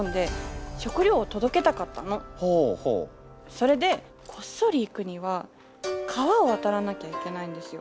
それでこっそり行くには川を渡らなきゃいけないんですよ。